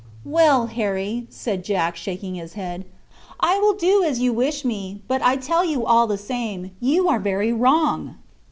"Well, Harry," said Jack, shaking his head, "I will do as you wish me; but I tell you all the same, you are very wrong."